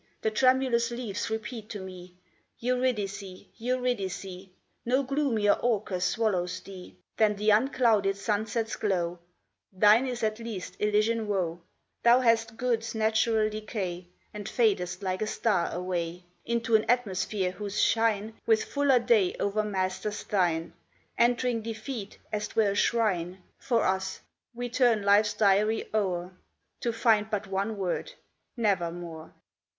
The tremulous leaves repeat to me Eurydice! Eurydice! No gloomier Orcus swallows thee Than the unclouded sunset's glow; Thine is at least Elysian woe; Thou hast Good's natural decay, And fadest like a star away Into an atmosphere whose shine With fuller day o'ermasters thine, Entering defeat as 't were a shrine; For us, we turn life's diary o'er To find but one word, Nevermore.